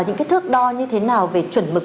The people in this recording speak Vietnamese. những cái thước đo như thế nào về chuẩn mực